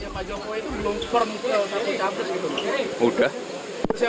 mas gibran berbicara